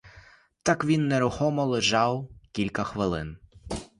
Так він нерухомо лежав кілька хвилин.